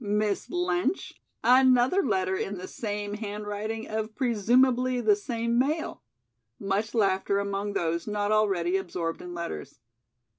Miss Lynch, another letter in the same handwriting of presumably the same male." Much laughter among those not already absorbed in letters.